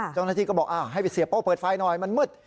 เจ้าหน้าที่ก็บอกให้ไปเสียโป้เปิดไฟหน่อยมันมืด